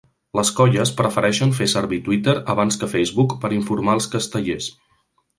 Les colles prefereixen fer servir Twitter abans que Facebook per informar els castellers.